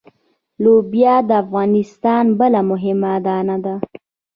لوبیا د افغانستان بله مهمه دانه ده.